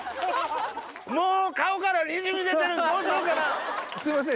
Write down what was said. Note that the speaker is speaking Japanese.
もう顔からにじみ出てるどうしようかな？